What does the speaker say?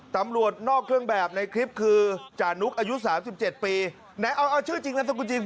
ตำรวจนอกเครื่องแบบในคลิปคือจานุกอายุ๓๗ปีไหนเอาชื่อจริงจริง